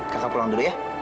kakak pulang dulu ya